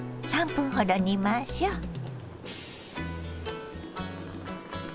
３分ほど煮ましょう。